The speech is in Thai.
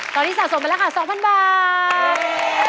ตอนนี้สะสมไปแล้วค่ะ๒๐๐๐บาท